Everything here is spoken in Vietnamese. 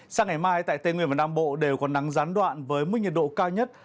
sáng ngày mai tại tây nguyên và nam bộ đều có nắng gián đoạn với mức nhiệt độ cao nhất